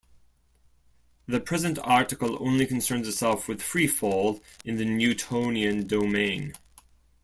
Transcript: The present article only concerns itself with free fall in the Newtonian domain.